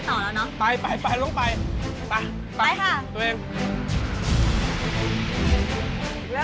โอ๊ะเราจะไม่ไปต่อแล้วนะ